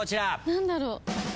何だろう。